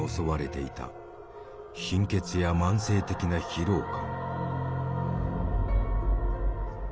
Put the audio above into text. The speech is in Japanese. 貧血や慢性的な疲労感。